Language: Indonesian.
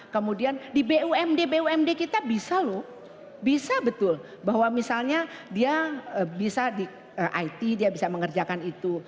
kemudian di bumd bumd kita bisa loh bisa betul bahwa misalnya dia bisa di it dia bisa mengerjakan itu